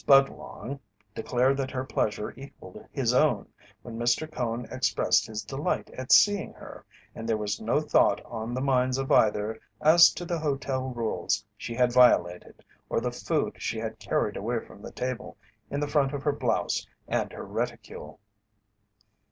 Budlong declared that her pleasure equalled his own when Mr. Cone expressed his delight at seeing her, and there was no thought on the minds of either as to the hotel rules she had violated or the food she had carried away from the table in the front of her blouse and her reticule.